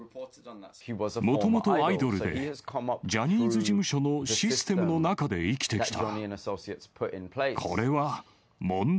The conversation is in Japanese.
もともとアイドルで、ジャニーズ事務所のシステムの中で生きてきた。